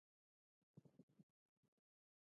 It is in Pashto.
ایا ستاسو اخلاق نمونه دي؟